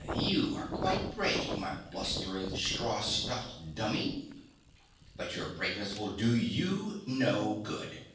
"You are quite brave, my blustering, straw stuffed dummy, but your braveness will do you no good.